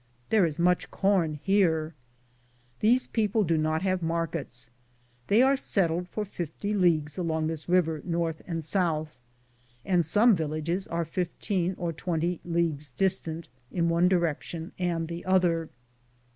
There is much corn here. These people do not have markets. They are settled for 50 leagues along this river, north and south, and some villages are 15 or 20 leagues distant, in one direction and the other.